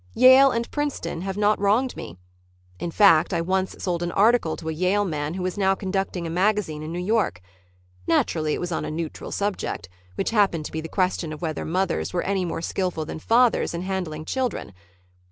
Yale and Princeton have not wronged me. In fact, I once sold an article to a Yale man who is now conducting a magazine in New York. Naturally it was on a neutral subject, which happened to be the question of whether mothers were any more skillful than fathers in handling children.